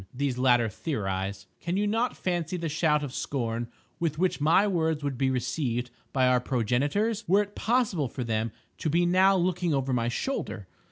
These latter theorize. Can you not fancy the shout of scorn with which my words would be received by our progenitors were it possible for them to be now looking over my shoulder?